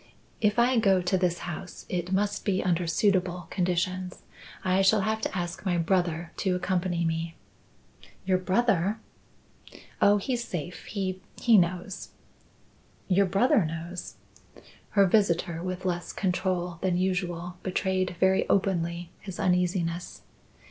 If I go to this house it must be under suitable conditions. I shall have to ask my brother to accompany me." "Your brother!" "Oh, he's safe. He he knows." "Your brother knows?" Her visitor, with less control than usual, betrayed very openly his uneasiness.